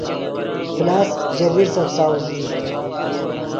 پلاس ژے لیرسف ساؤز ای